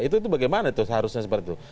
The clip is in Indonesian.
itu bagaimana itu seharusnya seperti itu